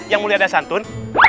yang mulia dan santun